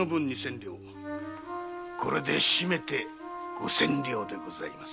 これで締めて五千両でございます。